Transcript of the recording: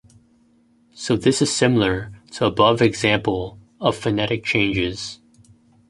So this is similar to above example of phonetic changes.